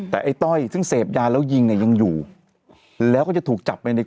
แต่ไอ้ต้อยซึ่งเสพยาแล้วยิงเนี่ยยังอยู่แล้วก็จะถูกจับไปใน